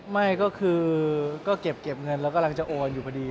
ไม่ก็คือก็เก็บเงินแล้วกำลังจะโอนอยู่พอดี